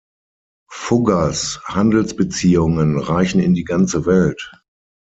Fuggers Handelsbeziehungen reichen in die ganze Welt.